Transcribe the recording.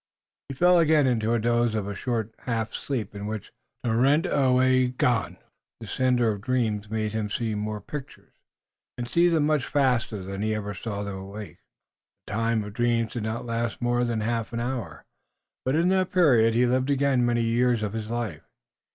He fell again into a doze or a sort of half sleep in which Tarenyawagon, the sender of dreams, made him see more pictures and see them much faster than he ever saw them awake. The time of dreams did not last more than half an hour, but in that period he lived again many years of his life.